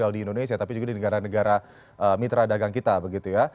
tinggal di indonesia tapi juga di negara negara mitra dagang kita begitu ya